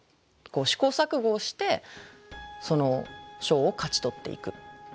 試行錯誤をしてそのショーを勝ち取っていく。